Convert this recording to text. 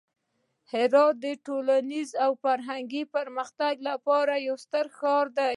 هرات د ټولنیز او فرهنګي پرمختګ لپاره یو ستر ښار دی.